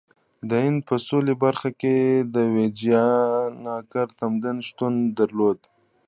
د هند په سویلي برخه کې ویجایاناګرا تمدن شتون درلود.